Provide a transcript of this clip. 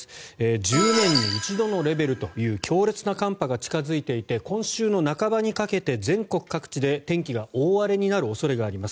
１０年に一度というレベルの強烈な寒波が近付いていて今週の半ばにかけて全国各地で天気が大荒れになる恐れがあります。